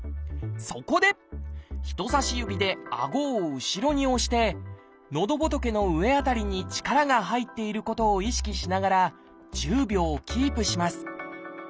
そこで人さし指であごを後ろに押してのどぼとけの上辺りに力が入っていることを意識しながら１０秒キープします。